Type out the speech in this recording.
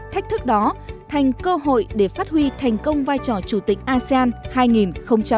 thách thức đó thành cơ hội để phát huy thành công vai trò chủ tịch asean hai nghìn hai mươi